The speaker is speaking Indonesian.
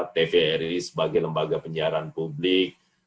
tvri sebagai lembaga penyiaran publik